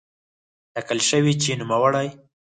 ټاکل شوې چې نوموړی